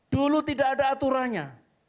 dulu tidak ada aturannya